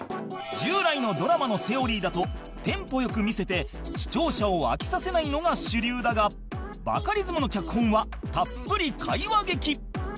従来のドラマのセオリーだとテンポよく見せて視聴者を飽きさせないのが主流だがバカリズムの脚本はたっぷり会話劇